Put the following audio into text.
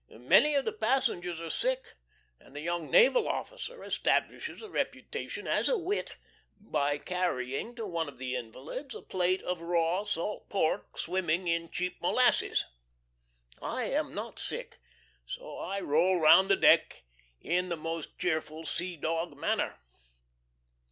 Many of the passengers are sick, and a young naval officer establishes a reputation as a wit by carrying to one of the invalids a plate of raw salt pork, swimming in cheap molasses. I am not sick; so I roll round the deck in the most cheerful sea dog manner.